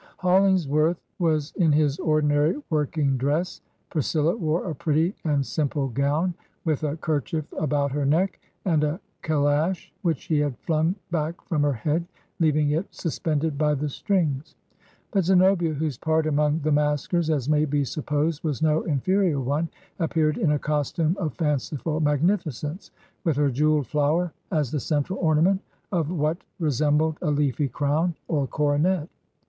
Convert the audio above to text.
"Hollingsworth was in his ordinary working dress. Priscilla wore a pretty and simple gown^ with a kerchief 179 Digitized by VjOOQIC HEROINES OF FICTION about her neck, and a calash, which she had flung back from her head, leaving it suspended by the strings. But Zenobia (whose part among the maskers, as may be supposed, was no inferior one) appeared in a costume of fanciftd magnificence, with her jewelled flower as the central ornament of what resembled a leafy crown, or coronet